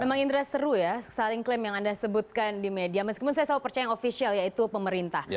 memang indra seru ya saling klaim yang anda sebutkan di media meskipun saya selalu percaya yang ofisial yaitu pemerintah